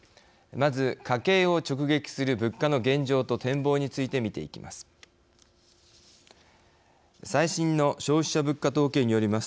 まず、家計を直撃する物価の現状と展望について見ていきます。